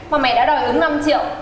mà mẹ đã đòi ứng năm triệu